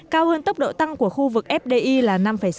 cao hơn tốc độ tăng của khu vực fdi là năm sáu